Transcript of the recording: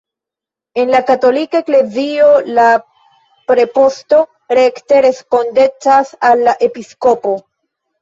En la katolika eklezio la preposto rekte respondecas al la episkopo.